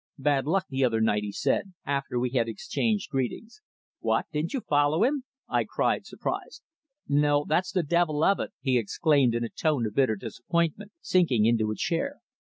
"Bad luck the other night," he said, after we had exchanged greetings. "What, didn't you follow him?" I cried, surprised. "No, that's the devil of it," he exclaimed in a tone of bitter disappointment, sinking into a chair.